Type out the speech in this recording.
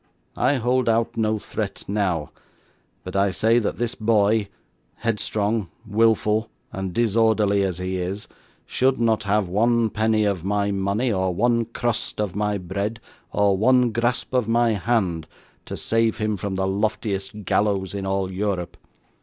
I hold out no threat now, but I say that this boy, headstrong, wilful and disorderly as he is, should not have one penny of my money, or one crust of my bread, or one grasp of my hand, to save him from the loftiest gallows in all Europe.